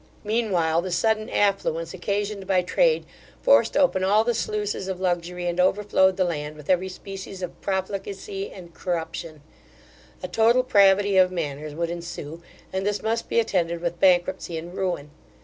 Mean while the sudden affluence occasioned by trade, forced open all the sluices of luxury and overflowed the land with every species of profligacy and corruption; a total pravity of manners would ensue, and this must be attended with bankruptcy and ruin.